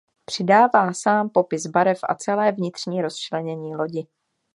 Přidává sám popis barev a celé vnitřní rozčlenění lodi.